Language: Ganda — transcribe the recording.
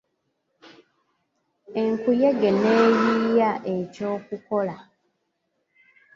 Enkuyege ne yiiya eky'okukola.